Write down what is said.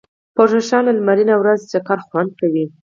په روښانه لمرینه ورځ چکر خوند کوي.